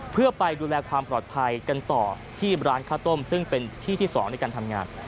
เพื่อไปดูแลความปลอดภัยกันต่อที่ร้านข้าวต้มซึ่งเป็นที่ที่๒ในการทำงาน